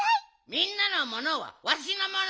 みんなのものはわしのもの。